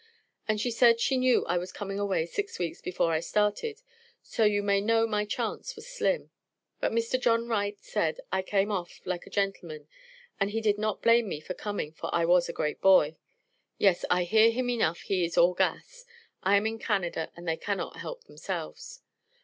And she said she knew I was coming away six weeks before I started, so you may know my chance was slim. But Mr. John Wright said I came off like a gentleman and he did not blame me for coming for I was a great boy. Yes I here him enough he is all gas. I am in Canada, and they cannot help themselves.